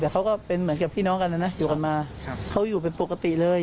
แต่เขาก็เป็นเหมือนกับพี่น้องกันนะนะอยู่กันมาเขาอยู่เป็นปกติเลย